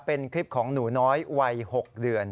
เป็นคลิปของหนูน้อยวัย๖เดือน